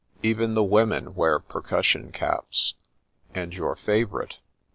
Even the women wear percussion caps, and your favourite